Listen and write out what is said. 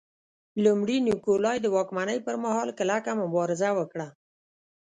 لومړي نیکولای د واکمنۍ پرمهال کلکه مبارزه وکړه.